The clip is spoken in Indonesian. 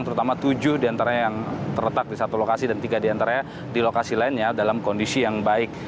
terutama tujuh di antara yang terletak di satu lokasi dan tiga di antara di lokasi lainnya dalam kondisi yang baik